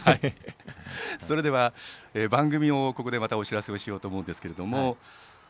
それでは、番組もここでまたお知らせをしようと思います。